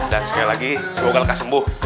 dan semoga lagi semoga lelah kau sembuh